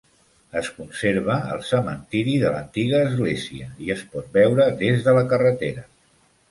Es conserva el cementiri de l'antiga església i es pot veure des de la carretera.